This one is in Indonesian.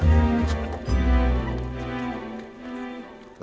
pertama perhubungan yang berlaku di permukiman telocor